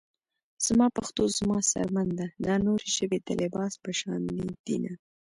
زما پښتو زما څرمن ده - دا نورې ژبې د لباس په شاندې دينه